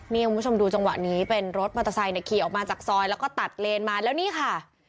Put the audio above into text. นี่คุณผู้ชมดูจังหวะนี้เป็นรถมอเตอร์ไซค์เนี่ยขี่ออกมาจากซอยแล้วก็ตัดเลนมาแล้วนี่ค่ะ